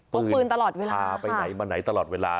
พกปืนพาไปไหนมาไหนตลอดเวลา